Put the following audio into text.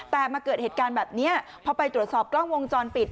แต่มาเกิดเหตุการณ์แบบนี้พอไปตรวจสอบกล้องวงจรปิด